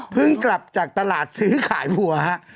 พึ่งกลับจากตลาดซื้อขายวัว